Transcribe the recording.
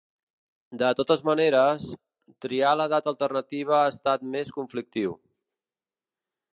De totes maneres, triar la data alternativa ha estat més conflictiu.